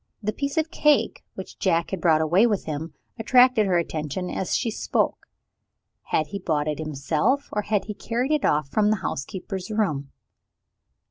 The piece of cake which Jack had brought away with him attracted her attention, as she spoke. Had he bought it himself? or had he carried it off from the housekeeper's room?